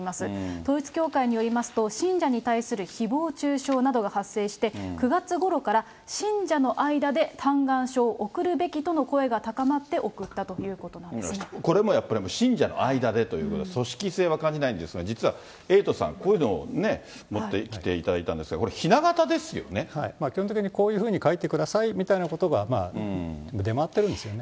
統一教会によりますと、信者に対するひぼう中傷などが発生して、９月ごろから信者の間で嘆願書を送るべきとの声が高まって送ったこれもやっぱり、信者の間でということで、組織性は感じないんですが、実はエイトさん、こういうのを持ってきていただいたんですが、これ、基本的にこういうふうに書いてくださいみたいなことが出回っているんですよね。